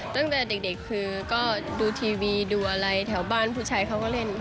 ตั้งแต่เด็กคือก็ดูทีวีดูอะไรแถวบ้านผู้ชายเขาก็เล่น